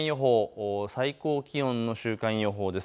最高気温の週間予報です。